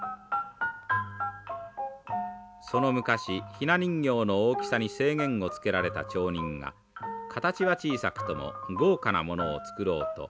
その昔ひな人形の大きさに制限をつけられた町人が形は小さくとも豪華なものを作ろうと力を注いだ結果生まれたものなのです。